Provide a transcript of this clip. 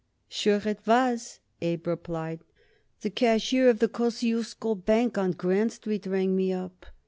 "Sure it was," Abe replied. "The cashier of the Kosciusko Bank on Grand Street rang me up.